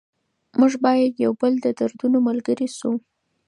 موږ باید د یو بل د دردونو ملګري شو.